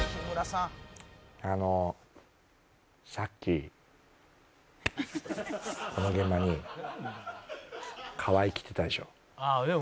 あのさっきこの現場に河合来てたでしょ。